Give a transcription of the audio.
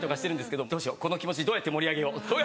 どうしようこの気持ちどうやって盛り上げよう？